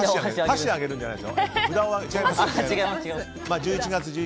箸を上げるんじゃないですよ。